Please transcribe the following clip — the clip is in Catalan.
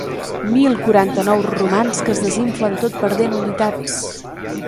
Mil quaranta-nou romans que es desinflen tot perdent unitats.